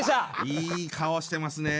いい顔してますね。